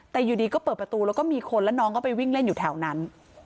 แต่อยู่ดีก็เปิดประตูแล้วก็มีคนแล้วน้องก็ไปวิ่งเล่นอยู่แถวนั้น